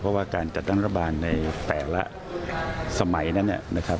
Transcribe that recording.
เพราะว่าการจัดตั้งรัฐบาลในแต่ละสมัยนั้นนะครับ